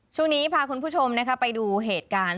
ช่วงนี้พาคุณผู้ชมไปดูเหตุการณ์